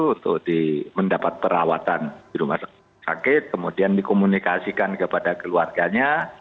untuk mendapat perawatan di rumah sakit kemudian dikomunikasikan kepada keluarganya